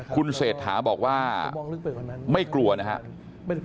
คุณเศรษฐาบอกว่าไม่กลัวนะครับ